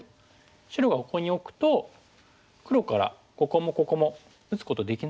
白がここに置くと黒からここもここも打つことできないですよね。